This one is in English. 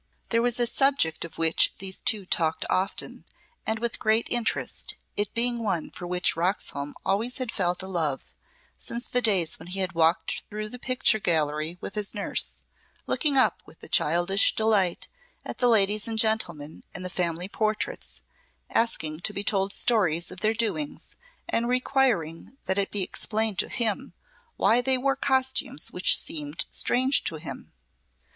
There was a subject of which these two talked often, and with great interest, it being one for which Roxholm had always felt a love, since the days when he had walked through the picture gallery with his nurse, looking up with childish delight at the ladies and gentlemen in the family portraits, asking to be told stories of their doings, and requiring that it be explained to him why they wore costumes which seemed strange to him.